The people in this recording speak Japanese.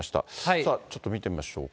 さあ、ちょっと見ていきましょうか。